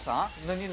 何？